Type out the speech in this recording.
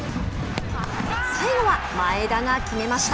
最後は前田が決めました。